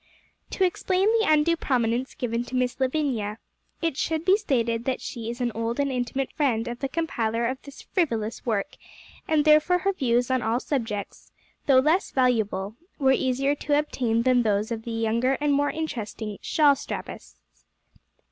To explain the undue prominence given to Miss Lavinia, it should be stated that she is an old and intimate friend of the compiler of this frivolous work; and therefore her views on all subjects, though less valuable, were easier to obtain than those of the younger and more interesting shawl strappists.